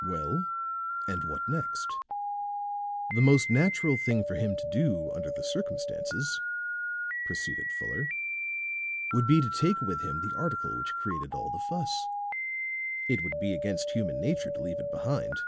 "Well, and what next?" "The most natural thing for him to do under the circumstances," proceeded Fuller, "would be to take with him the article which created all the fuss. It would be against human nature to leave it behind.